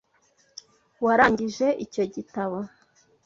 Warangije icyo gitabo?